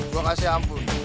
gue kasih ampun